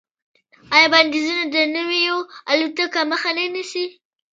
آیا بندیزونه د نویو الوتکو مخه نه نیسي؟